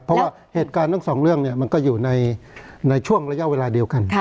เพราะว่าเหตุการณ์ทั้งสองเรื่องมันก็อยู่ในช่วงระยะเวลาเดียวกัน